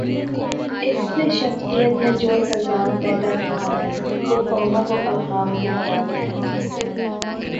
اس سے شخصیت میں جو تضاد پیدا ہوتاہے، وہ قوموں کو ابہام کے حوالے کر دیتا ہے۔